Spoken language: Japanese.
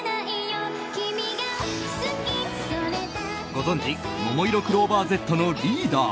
ご存じももいろクローバーＺのリーダー